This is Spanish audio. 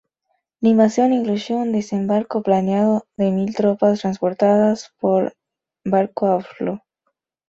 La invasión incluyó un desembarco planeado de mil tropas transportadas por barco a Oslo.